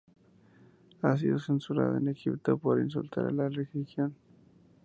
Ha sido censurada en Egipto por "insultar a la religión".